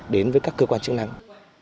đến với các cơ quan chức năng